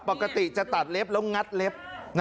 ปกติจะตัดเล็บแล้วงัดเล็บ